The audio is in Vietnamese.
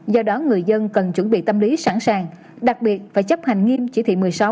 do đó người dân cần chuẩn bị tâm lý sẵn sàng đặc biệt phải chấp hành nghiêm chỉ thị một mươi sáu